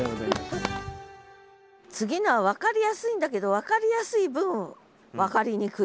次のは分かりやすいんだけど分かりやすい分分かりにくい。